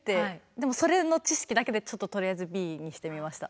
でもそれの知識だけでちょっととりあえずＢにしてみました。